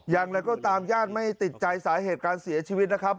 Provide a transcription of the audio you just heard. อย่างไรก็ตามญาติไม่ติดใจสาเหตุการเสียชีวิตนะครับ